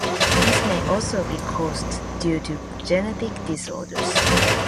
These may also be caused due to genetic disorders.